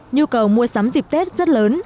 nhu cầu mua sắm dịp tết rất lớn